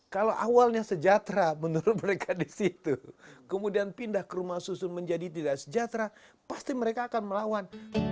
kalau awalnya sejahtera menurut mereka di situ kemudian pindah ke rumah susun menjadi tidak sejahtera pasti mereka akan melawan